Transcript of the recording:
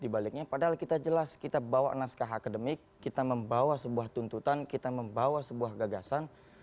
dibaliknya padahal kita jelas kita bawa naskah akademik kita membawa sebuah tuntutan kita membawa sebuah gagasan